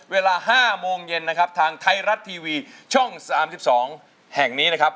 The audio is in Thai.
เวลา๕โมงเย็นนะครับทางไทยรัฐทีวีช่อง๓๒แห่งนี้นะครับ